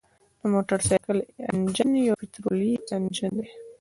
د موټرسایکل انجن یو پطرولي انجن دی.